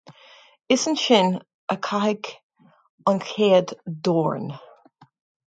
Is ansin a caitheadh an chéad dorn